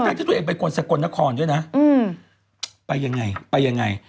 ที่ตัวเองเป็นคนสกลนครด้วยนะไปยังไงไปยังไง